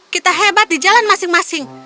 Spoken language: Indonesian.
kita hebat di jalan masing masing